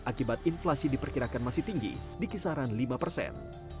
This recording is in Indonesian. akibat inflasi diperkirakan masih tinggi di kisaran lima persen